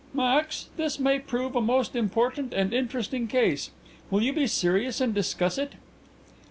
"Max, this may prove a most important and interesting case. Will you be serious and discuss it?"